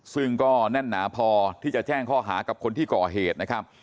ซึ่งก็แน่นหนาพอที่จะแจ้งข้อหากับคนที่ก่อเหตุนะครับ